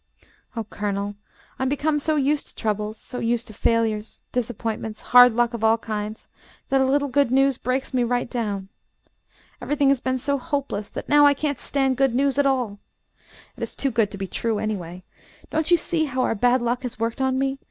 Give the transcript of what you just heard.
"Oh, Colonel, I am become so used to troubles, so used to failures, disappointments, hard luck of all kinds, that a little good news breaks me right down. Everything has been so hopeless that now I can't stand good news at all. It is too good to be true, anyway. Don't you see how our bad luck has worked on me?